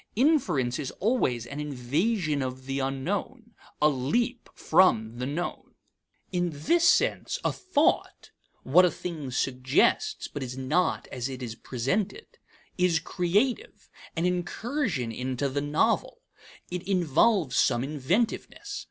Inference is always an invasion of the unknown, a leap from the known. In this sense, a thought (what a thing suggests but is not as it is presented) is creative, an incursion into the novel. It involves some inventiveness.